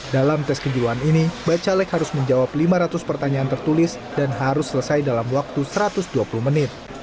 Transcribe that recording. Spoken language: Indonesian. dalam tes kejiwaan ini bacalek harus menjawab lima ratus pertanyaan tertulis dan harus selesai dalam waktu satu ratus dua puluh menit